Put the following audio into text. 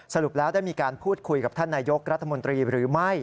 สรุปแล้วได้มีการพูดคุยกับท่านนายกรัฐมนตรีหรือไม่